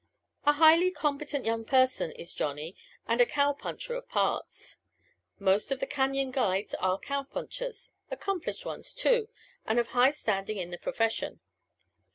A highly competent young person is Johnny and a cow puncher of parts. Most of the Cañon guides are cow punchers accomplished ones, too, and of high standing in the profession.